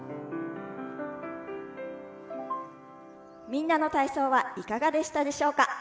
「みんなの体操」はいかがでしたでしょうか。